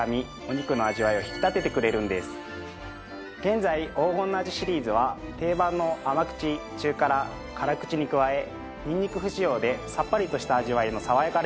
現在黄金の味シリーズは定番の甘口中辛辛口に加えにんにく不使用でさっぱりとした味わいのさわやか檸檬。